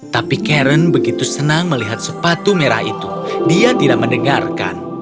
tapi karen begitu senang melihat sepatu merah itu dia tidak mendengarkan